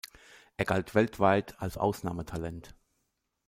Er galt weltweit als Ausnahmetalent.